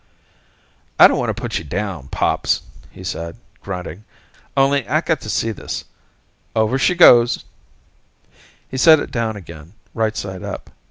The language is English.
"I don't want to put you down, Pops," he said, grunting. "Only, I got to see this. Over she goes." He set it down again, right side up.